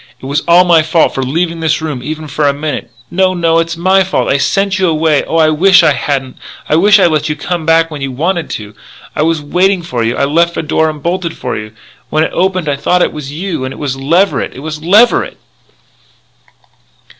It was all my fault for leaving this room even for a minute " "No, no, no! It's my fault. I sent you away. Oh, I wish I hadn't. I wish I had let you come back when you wanted to.... I was waiting for you.... I left the door unbolted for you. When it opened I thought it was you. And it was Leverett! it was Leverett!